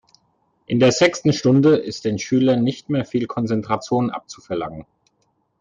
In der sechsten Stunde ist den Schülern nicht mehr viel Konzentration abzuverlangen.